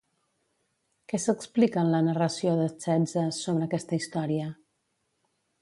Què s'explica en la narració de Tzetzes sobre aquesta història?